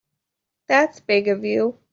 That's big of you.